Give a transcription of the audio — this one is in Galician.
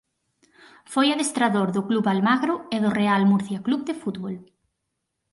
Foi adestrador do Club Almagro e do Real Murcia Club de Fútbol.